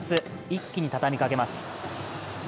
一気に畳みかけます。